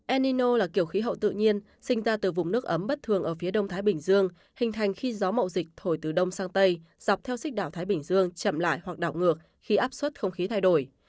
enino là kiểu khí hậu tự nhiên sinh ra từ vùng nước ấm bất thường ở phía đông thái bình dương hình thành khi gió mậu dịch thổi từ đông sang tây dọc theo xích đảo thái bình dương chậm lại hoặc đảo ngược khi áp suất không khí thay đổi